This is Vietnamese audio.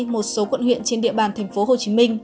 một số quận huyện trên địa bàn tp hcm